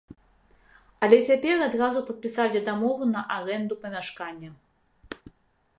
Але цяпер адразу падпісалі дамову на арэнду памяшкання.